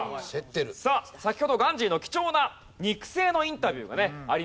さあ先ほどガンジーの貴重な肉声のインタビューがねありました。